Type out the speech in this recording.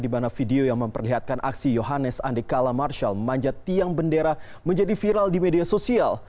di mana video yang memperlihatkan aksi yohannes andekala marshal memanjat tiang bendera menjadi viral di media sosial